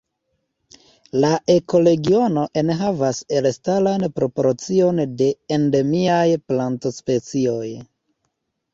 La ekoregiono enhavas elstaran proporcion de endemiaj plantospecioj.